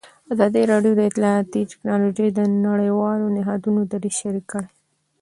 ازادي راډیو د اطلاعاتی تکنالوژي د نړیوالو نهادونو دریځ شریک کړی.